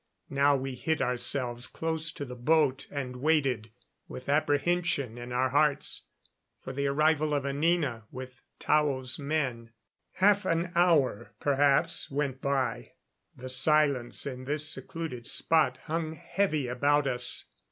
Now we hid ourselves close to the boat and waited with apprehension in our hearts for the arrival of Anina with Tao's men. Half an hour, perhaps, went by. The silence in this secluded spot hung heavy about us.